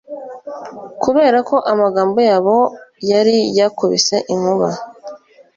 Kuberako amagambo yabo yari yakubise inkuba